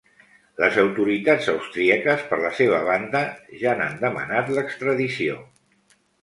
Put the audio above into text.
Les autoritats austríaques, per la seva banda, ja n’han demanat l’extradició.